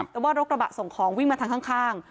แต่ว่ารถกระบะส่งของวิ่งมาทางข้าง